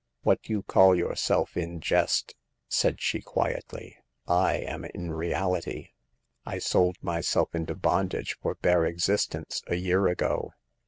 What you call yourself in jest," said she quietly, " I am in reality ; I sold myself into bondage for bare existence a year ago.